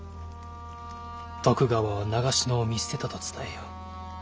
徳川は長篠を見捨てたと伝えよ。